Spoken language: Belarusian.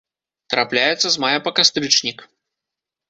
Трапляецца з мая па кастрычнік.